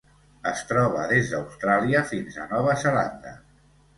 Es troba des d'Austràlia fins a Nova Zelanda.